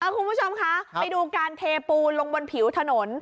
คุณผู้ชมคะไปดูการเทปูนลงบนผิวถนน